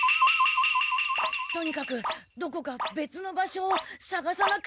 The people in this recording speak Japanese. とにかくどこかべつの場所をさがさなくちゃ。